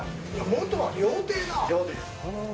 元は料亭だ。